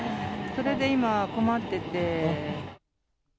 それで今、困ってて。